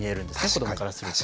子どもからすると。